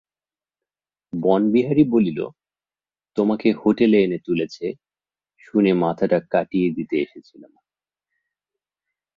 বনবিহারী বলিল, তোমাকে হোটেলে এনে তুলেছে শুনে মাথাটা কাটিয়ে দিতে এসেছিলাম।